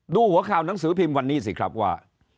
หัวข่าวหนังสือพิมพ์วันนี้สิครับว่า